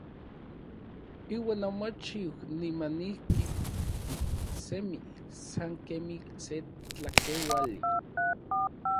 Iuan omochij nimanijki iksemi san kemij se tlakeuali.